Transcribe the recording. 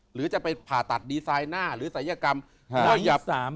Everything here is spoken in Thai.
หรือจะไปผ่าตัดดีไซน์หน้าหรือสัยกรรม